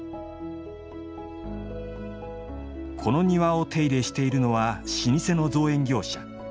この庭を手入れしているのは老舗の造園業者。